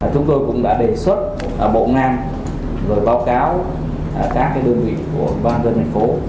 chúng tôi cũng đã đề xuất bộ ngang rồi báo cáo các đơn vị của ban dân thành phố